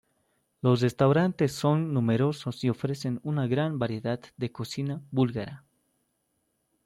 Los restaurantes son numerosos y ofrecen una gran variedad de cocina búlgara.